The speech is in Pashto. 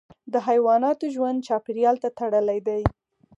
د حیواناتو ژوند چاپیریال ته تړلی دی.